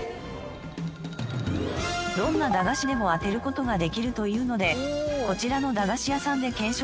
どんな駄菓子でも当てる事ができるというのでこちらの駄菓子屋さんで検証してみました。